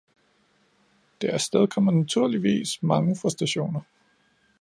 Det afstedkommer naturligvis mange frustrationer.